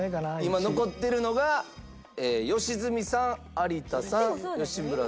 今残っているのが良純さん有田さん吉村さん。